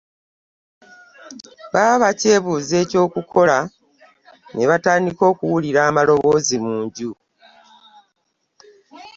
Baba bakyebuuza eky'okukola ne batandika okuwulira amaloboozi mu nju.